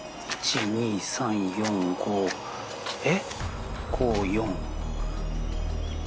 １２３４５えっ？